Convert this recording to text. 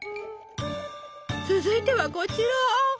続いてはこちら！